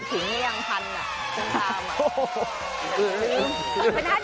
ถึงให้ยังพันตาม